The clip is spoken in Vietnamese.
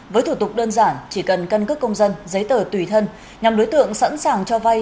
với thủ tục đơn giản chỉ cần căn cước công dân giấy tờ tùy thân nhằm đối tượng sẵn sàng cho vay